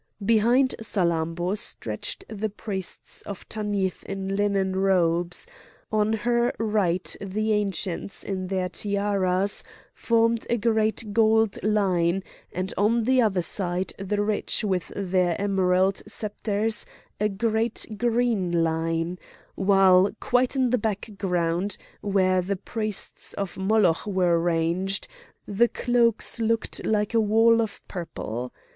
Behind Salammbô stretched the priests of Tanith in linen robes; on her right the Ancients, in their tiaras, formed a great gold line, and on the other side the rich with their emerald sceptres a great green line,—while quite in the background, where the priests of Moloch were ranged, the cloaks looked like a wall of purple.